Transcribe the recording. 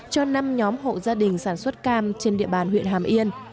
cho năm nhóm hộ gia đình sản xuất cam trên địa bàn huyện hàm yên